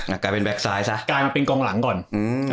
กลายเป็นแก๊กซ้ายซะกลายมาเป็นกองหลังก่อนอืม